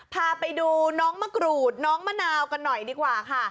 พาไปดูน้องมะกรูดน้องมะนาวกันหน่อยดีกว่าค่ะ